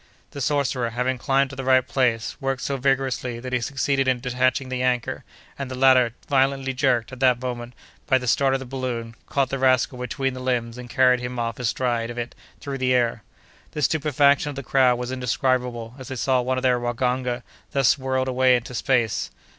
The sorcerer, having climbed to the right place, worked so vigorously that he succeeded in detaching the anchor, and the latter, violently jerked, at that moment, by the start of the balloon, caught the rascal between the limbs, and carried him off astride of it through the air. The stupefaction of the crowd was indescribable as they saw one of their waganga thus whirled away into space.